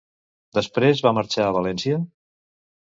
Després va marxar a València?